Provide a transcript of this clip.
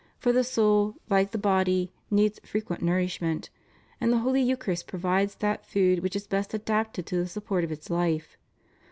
For the soul, like the body, needs frequent nourishment; and the Holy Eucharist provides that food which is best adapted to the support of its life.